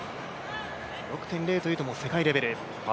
６．０という世界レベル。